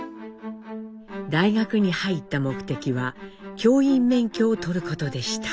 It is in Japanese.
大学に入った目的は教員免許を取ることでした。